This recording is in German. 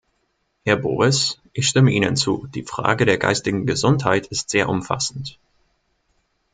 Herr Bowis, ich stimme Ihnen zu, die Frage der geistigen Gesundheit ist sehr umfassend.